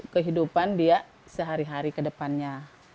kehidupan dia sehari hari kedepannya